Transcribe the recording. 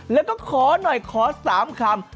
แล้วก็ขอหน่อยขอ๓คำ